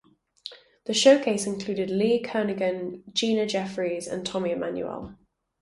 The Showcase included Lee Kernaghan, Gina Jeffreys and Tommy Emmanuel.